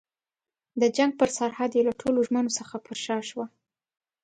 د جنګ پر سرحد یې له ټولو ژمنو څخه پر شا شوه.